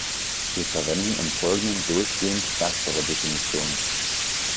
Wir verwenden im Folgenden durchgehend erstere Definition.